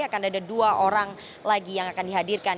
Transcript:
akan ada dua orang lagi yang akan dihadirkan